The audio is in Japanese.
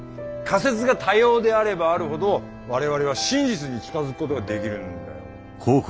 仮説が多様であればあるほど我々は真実に近づくことができるんだよ。